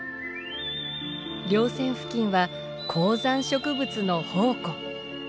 稜線付近は高山植物の宝庫。